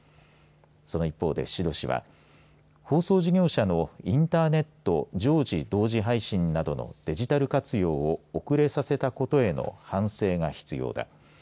その一方で宍戸氏は放送事業者のインターネット常時同時配信などのデジタル活用を遅れさせたことへの反省が必要だ。